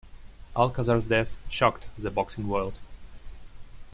Alcazar's death shocked the boxing world.